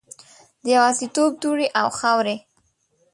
د یوازیتوب دوړې او خاورې